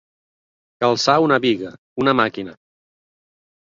Calçar una biga, una màquina.